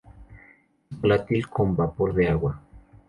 Es volátil con vapor de agua.